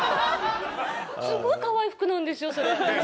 すごいかわいい服なんですよそれ。